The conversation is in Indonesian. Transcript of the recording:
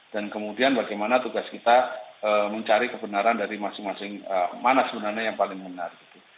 dan kemudian bagaimana tugas kita mencari kebenaran dari masing masing mana sebenarnya yang paling benar gitu